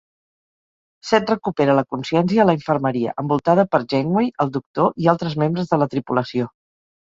Set recupera la consciència a la infermeria, envoltada per Janeway, el Doctor i altres membres de la tripulació.